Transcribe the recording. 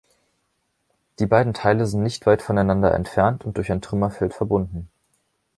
Die beiden Teile sind nicht weit voneinander entfernt und durch ein Trümmerfeld verbunden.